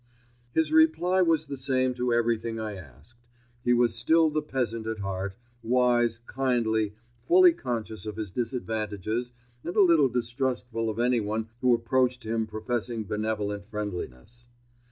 His reply was the same to everything I asked. He was still the peasant at heart, wise, kindly, fully conscious of his disadvantages and a little distrustful of anyone who approached him professing benevolent friendliness.